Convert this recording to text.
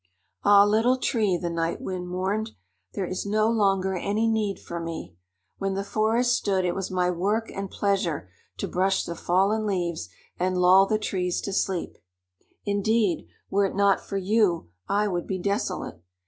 "Ah, Little Tree," the Night Wind mourned, "there is no longer any need for me. When the forest stood, it was my work and pleasure to brush the fallen leaves and lull the trees to sleep. Indeed, were it not for you, I would be desolate.